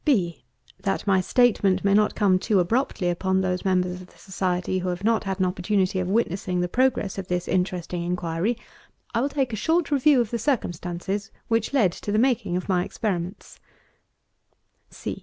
B. That my statement may not come too abruptly upon those members of the Society who have not had an opportunity of witnessing the progress of this interesting inquiry, I will take a short review of the circumstances which led to the making of my experiments.